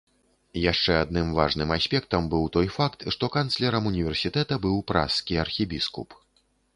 Яшчэ адным важным аспектам быў той факт, што канцлерам універсітэта быў пражскі архібіскуп.